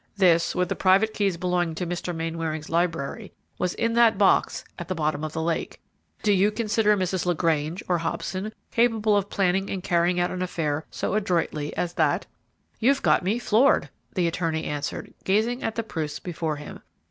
"This, with the private keys belonging to Mr. Mainwaring's library, was in that box at the bottom of the lake. Do you consider Mrs. LaGrange or Hobson capable of planning and carrying out an affair so adroitly as that?" "You've got me floored," the attorney answered, gazing at the proofs before him.